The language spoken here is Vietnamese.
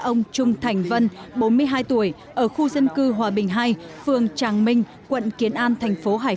ông trung thành vân bốn mươi hai tuổi ở khu dân cư hòa bình hai phường tràng minh quận kiến an thành phố hải